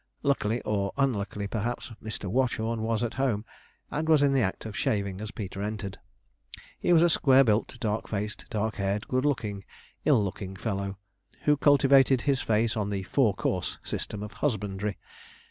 Luckily, or unluckily perhaps, Mr. Watchorn was at home, and was in the act of shaving as Peter entered. He was a square built dark faced, dark haired, good looking, ill looking fellow who cultivated his face on the four course system of husbandry.